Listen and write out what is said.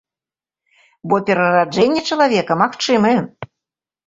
Бо перараджэнне чалавека магчымае.